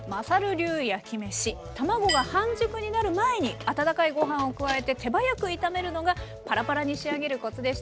卵が半熟になる前に温かいご飯を加えて手早く炒めるのがパラパラに仕上げるコツでした。